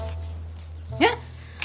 えっ！